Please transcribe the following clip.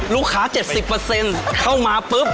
ลูกค้า๗๐เข้ามาปุ๊บ